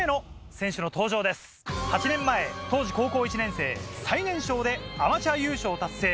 ８年前当時高校１年生最年少でアマチュア優勝を達成。